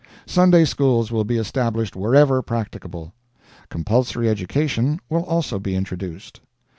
Sunday schools will be established wherever practicable. Compulsory education will also be introduced.